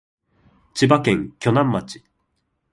千葉県鋸南町